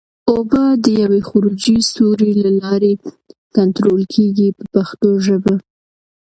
اوبه د یوې خروجي سوري له لارې کنټرول کېږي په پښتو ژبه.